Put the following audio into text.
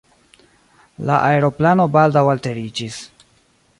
La aeroplano baldaŭ alteriĝis.